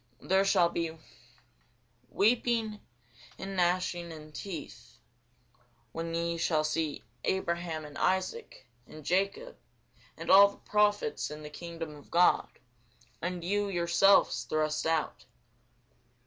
There shall be weeping and gnashing of teeth, when ye shall see Abraham, and Isaac, and Jacob, and all the prophets, in the kingdom of God, and you yourselves thrust out.